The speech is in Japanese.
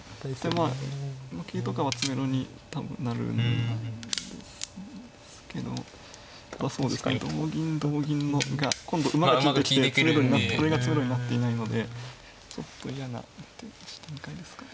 まあ桂とかは詰めろに多分なるんですけどただ同銀同銀が今度馬が利いてきてこれが詰めろになっていないのでちょっと嫌な一手展開ですかね。